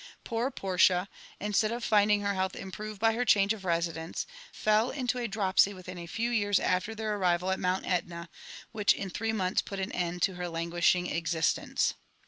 Poor Portie« instead of finding her health improve by her change of reatdence, fell into a dropsy within a few years after their arrival at Mount Etna, which In three months put an end to her languishing existence.